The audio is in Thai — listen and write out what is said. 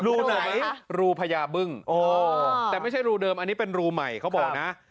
รูไหนรูพญาบึ้งแต่ไม่ใช่รูเดิมอันนี้เป็นรูใหม่เขาบอกนะ